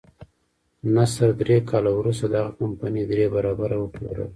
نصر درې کاله وروسته دغه کمپنۍ درې برابره وپلورله.